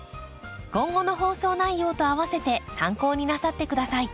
今後の放送内容とあわせて参考になさって下さい。